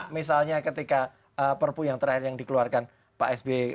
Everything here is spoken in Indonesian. misalnya ketika perpu yang terakhir yang dikeluarkan pak s b i